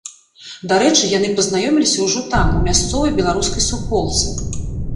Дарэчы, яны пазнаёміліся ўжо там, у мясцовай беларускай суполцы.